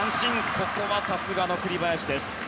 ここはさすがの栗林です。